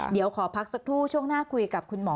เดี๋ยวขอพักสักครู่ช่วงหน้าคุยกับคุณหมอ